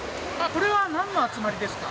これはなんの集まりですか？